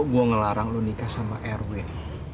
kalo gua ngelarang lu nikah sama erwin